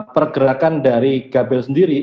pergerakan dari gabel sendiri